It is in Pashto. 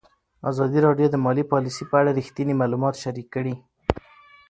ازادي راډیو د مالي پالیسي په اړه رښتیني معلومات شریک کړي.